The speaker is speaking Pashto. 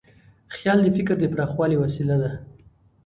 خیال د فکر د پراخوالي وسیله ده.